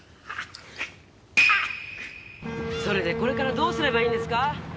それでこれからどうすればいいんですか？